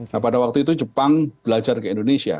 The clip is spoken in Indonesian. nah pada waktu itu jepang belajar ke indonesia